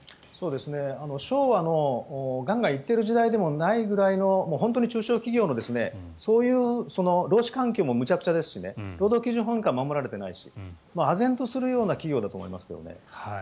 昭和のガンガン行っている時代でもないぐらいの本当に中小企業の労使環境もむちゃくちゃですし労働基準法も守られていないしあぜんとするような企業だと思います。